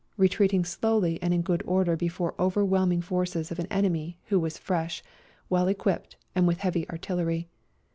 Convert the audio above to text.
64 A RIDE TO KALABAC retreating slowly and in good order before overwhelming forces of an enemy who was fresh, well equipped and with heavy artillery.